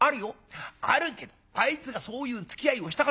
あるけどあいつがそういうつきあいをしたかってえの。